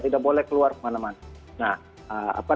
tidak boleh keluar kemana mana